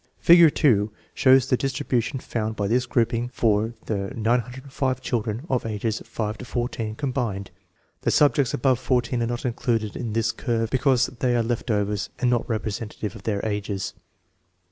Figure 2 shows the distribution found by this grouping for the 905 children of ages 5 to 14 combined. The subjects above 14 are not included in this curve be cause they are left overs and not representative of their ages.